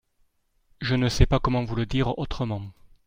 Je ne sais pas comment vous le dire autrement.